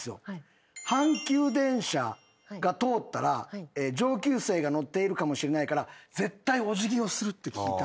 阪急電車が通ったら上級生が乗っているかもしれないから絶対お辞儀をするって聞いた。